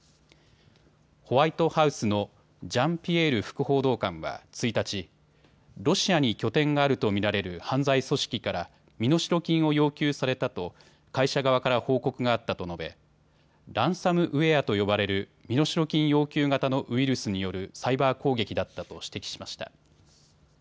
ホワイトハウスのジャンピエール副報道官は１日、ロシアに拠点があると見られる犯罪組織から身代金を要求されたと会社側から報告があったと述べ、ランサムウエアと呼ばれる身代金要求型のウイルスによるサイバー攻撃だったと指摘しました。